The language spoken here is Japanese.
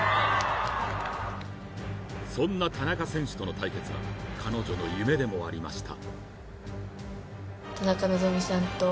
そんな田中選手との対決は彼女の夢でもありました